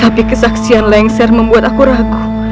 tapi kesaksian lengser membuat aku ragu